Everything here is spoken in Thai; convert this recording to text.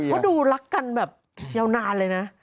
เขาดูรักกันแบบยาวนานเลยนะ